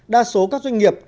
đa số các doanh nghiệp